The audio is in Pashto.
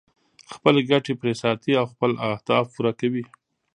خپلې ګټې پرې ساتي او خپل اهداف پوره کوي.